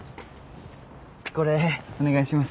これお願いします。